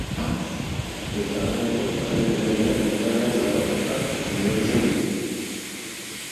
Eta, hala ere, haren eragina metalean grabatuta geratu zen betiko.